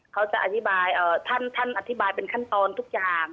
เขาจะอธิบายท่านอธิบายเป็นขั้นตอนทุกอย่าง